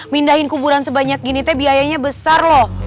mindahin kuburan sebanyak gini teh biayanya besar loh